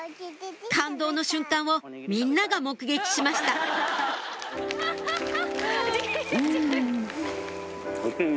感動の瞬間をみんなが目撃しましたん！